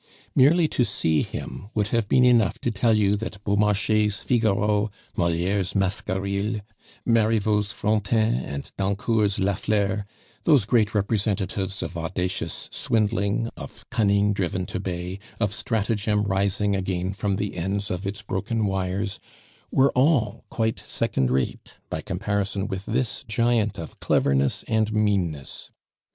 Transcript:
Merely to see him would have been enough to tell you that Beaumarchais' Figaro, Moliere's Mascarille, Marivaux's Frontin, and Dancourt's Lafleur those great representatives of audacious swindling, of cunning driven to bay, of stratagem rising again from the ends of its broken wires were all quite second rate by comparison with this giant of cleverness and meanness.